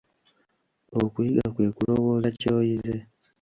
Okuyiga kwe kulowooza ky'oyize.